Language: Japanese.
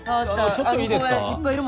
あのちょっといいですか？